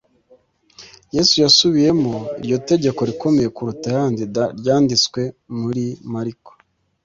yesu yasubiyemo iryo tegeko rikomeye kuruta ayandi ryanditswe muri mariko